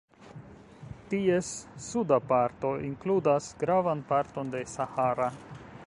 Ties suda parto inkludas gravan parton de Sahara.